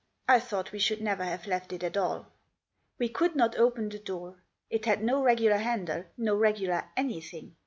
I thought we should never have left it at all. We could not open the door. It had no regular handle ; no regular anything.